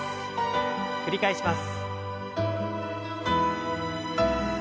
繰り返します。